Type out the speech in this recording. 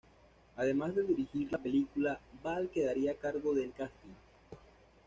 Además de dirigir la película, Ball quedaría a cargo del "casting".